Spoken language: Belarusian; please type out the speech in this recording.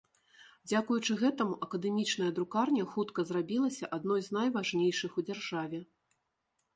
Дзякуючы гэтаму акадэмічная друкарня хутка зрабілася адной з найважнейшых у дзяржаве.